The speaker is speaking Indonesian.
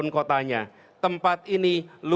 keren ya pak